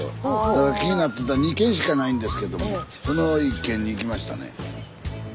だから気になってた２軒しかないんですけどもその１軒に行きましたね。